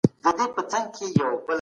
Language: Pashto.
ولي خلګ په ټولنه کي د حق ملاتړ نه کوي؟